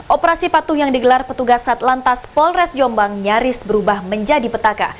operasi patuh yang digelar petugas satlantas polres jombang nyaris berubah menjadi petaka